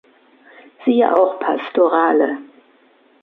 Siehe auch Pastorale.